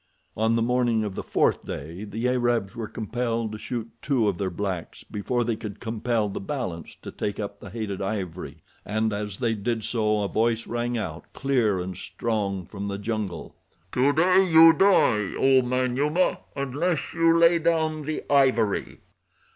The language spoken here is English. On the morning of the fourth day the Arabs were compelled to shoot two of their blacks before they could compel the balance to take up the hated ivory, and as they did so a voice rang out, clear and strong, from the jungle: "Today you die, oh, Manyuema, unless you lay down the ivory.